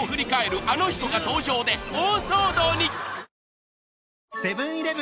［あの人が登場で大騒動に！］